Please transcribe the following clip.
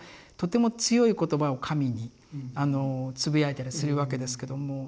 とても強い言葉を神につぶやいたりするわけですけども。